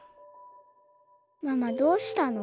ママどうしたの？